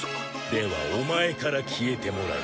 ではオマエから消えてもらう。